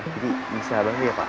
jadi bisa banget ya pak